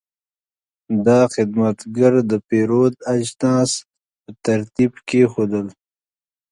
دا خدمتګر د پیرود اجناس په ترتیب کېښودل.